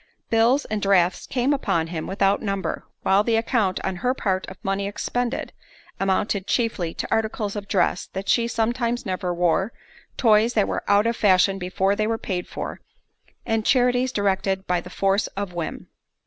Bills and drafts came upon him without number, while the account, on her part, of money expended, amounted chiefly to articles of dress that she sometimes never wore, toys that were out of fashion before they were paid for, and charities directed by the force of whim.